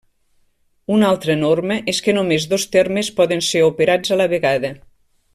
Una altra norma és que només dos termes poden ser operats a la vegada.